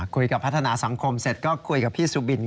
คุยกับพัฒนาสังคมเสร็จก็คุยกับพี่ซูบิน